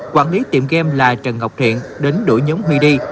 quản lý tiệm game là trần ngọc thiện đến đuổi nhóm huy đi